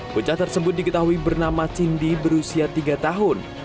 bocah tersebut diketahui bernama cindy berusia tiga tahun